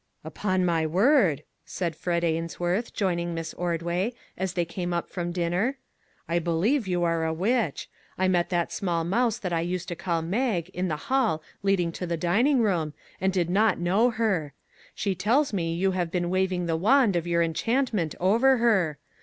" Upon my word," said Fred Ainsworth, joining Miss Ordway, as they came up from dinner, " I believe you are a witch. I met that small mouse that I used to call ' Mag ' in the hall leading to the dining room, and did not know her. She tells me you have been waving the wand of your enchantment over her.